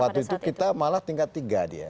waktu itu kita malah tingkat tiga dia